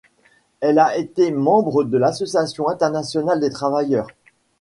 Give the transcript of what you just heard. Elle a été membre de l'Association internationale des travailleurs.